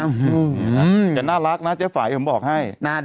อือหืมและน่ารักนะเจฝรไกรผมบอกให้